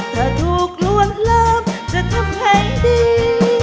ถ้าถูกล้วนเริ่มจะทำให้ดี